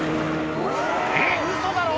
えっウソだろ！